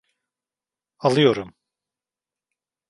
Alıyorum.